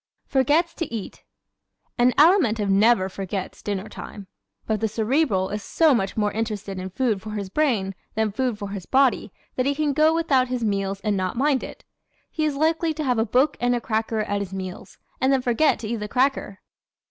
Forgets to Eat ¶ An Alimentive never forgets dinner time. But the Cerebral is so much more interested in food for his brain than food for his body that he can go without his meals and not mind it. He is likely to have a book and a cracker at his meals and then forget to eat the cracker!